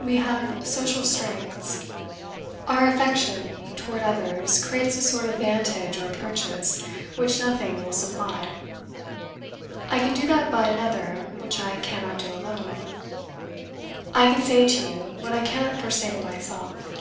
We have social strengths. Our affection toward others creates a sort of vantage or purchase which nothing will supply. I can do that by another which I cannot do alone. I can say to you what I cannot first say to myself.